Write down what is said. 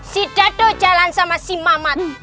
si dado jalan sama si mamat